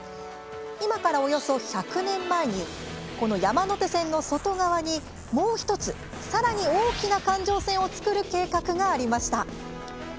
今からおよそ１００年前にこの山手線の外側にもう１つさらに大きな環状線を造る計画がありました。